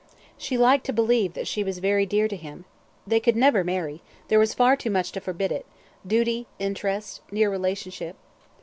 She liked to believe that she was very dear to him; they could never marry; there was far too much to forbid it duty, interest, near relationship.